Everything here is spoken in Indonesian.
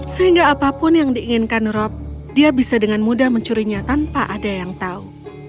sehingga apapun yang diinginkan rob dia bisa dengan mudah mencurinya tanpa ada yang tahu